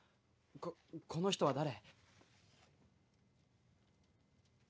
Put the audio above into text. ここの人は誰？